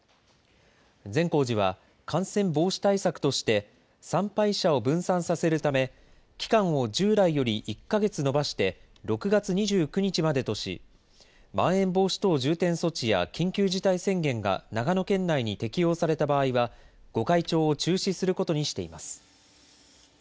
善光寺は感染防止対策として、参拝者を分散させるため、期間を従来より１か月延ばして６月２９日までとし、まん延防止等重点措置や緊急事態宣言が長野県内に適用された場合は、御開帳を中止することにしています。